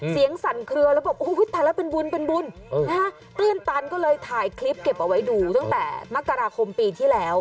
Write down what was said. เสียงสั่นเครือแล้วบอกทันแล้วเป็นบุญตื่นตันก็เลยถ่ายคลิปเก็บเอาไว้ดูตั้งแต่มกราคมปีที่แล้ว